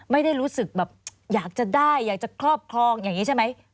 ไม่ได้รู้สึกแบบอยากจะได้อยากจะครอบครองอย่างนี้ใช่ไหม